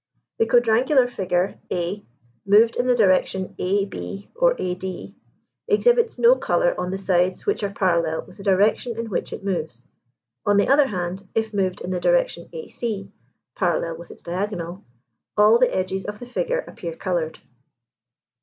The quadrangular figure a, moved in the direction a b or a d exhibits no colour on the sides which are parallel with the direction in which it moves: on the other hand, if moved in the direction a c, parallel with its diagonal, all the edges of the figure appear coloured.